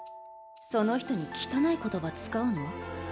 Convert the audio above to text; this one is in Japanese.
その人に汚い言葉使うの？